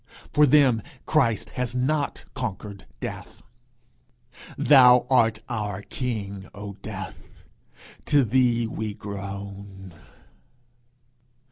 For them Christ has not conquered Death: Thou art our king, O Death! to thee we groan!